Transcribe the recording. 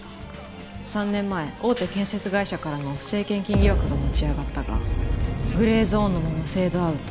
３年前大手建設会社からの不正献金疑惑が持ち上がったがグレーゾーンのままフェードアウト。